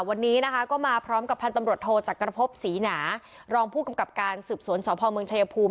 วันนี้นะคะก็มาพร้อมกับพันธ์ตำรวจโทจักรพบศรีหนารองผู้กำกับการสืบสวนสพเมืองชายภูมิ